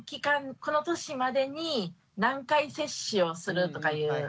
この年までに何回接種をするとかいう。